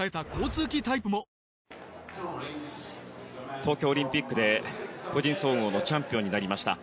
東京オリンピックで個人総合のチャンピオンになりました。